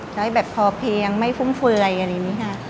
ให้แบบพอเพียงไม่ฟุ่มเฟือยอะไรอย่างนี้ค่ะ